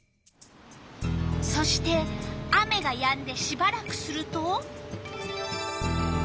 そして雨がやんでしばらくすると。